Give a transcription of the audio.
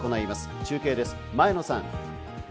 中継です、前野さん。